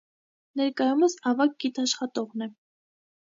Ներկայումս ավագ գիտաշխատողն է։